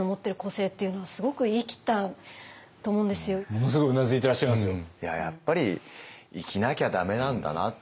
ものすごくうなずいてらっしゃいますよ。